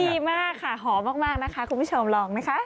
ดีมากค่ะหอมมากนะคะคุณผู้ชมลองนะคะ